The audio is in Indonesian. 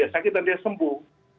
sakit dan dia sembuh